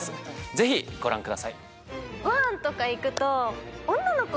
ぜひご覧ください。